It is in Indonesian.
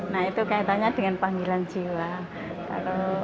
nah itu kaitannya dengan panggilan jiwa